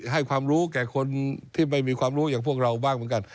ให้ความรู้แก่คนที่ไม่มีความรู้อย่างพวกเราบ้างเหมือนกัน